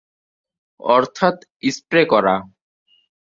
অর্থাৎ স্প্রে করা।